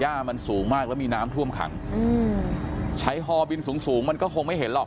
มันสูงมากแล้วมีน้ำท่วมขังอืมใช้ฮอบินสูงสูงมันก็คงไม่เห็นหรอก